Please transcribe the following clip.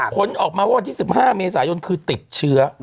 ผลออกมาว่าวันที่๑๕เมษายนคือติดเชื้อ